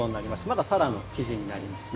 まださらの生地になりますね。